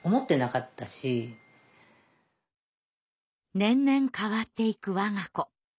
年々変わっていく我が子。